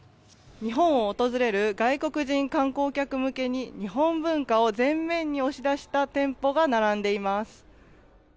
日本を訪れる外国人観光客向けに日本文化を前面に押し出した店舗が並んでいます。